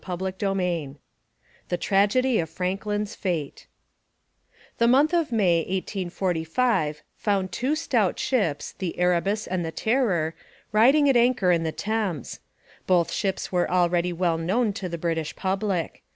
CHAPTER V THE TRAGEDY OF FRANKLIN'S FATE The month of May 1845 found two stout ships, the Erebus and the Terror, riding at anchor in the Thames. Both ships were already well known to the British public.